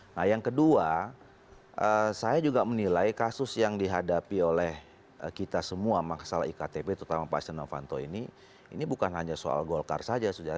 nah yang kedua saya juga menilai kasus yang dihadapi oleh kita semua masalah iktp terutama pak senovanto ini ini bukan hanya soal golkar saja sudah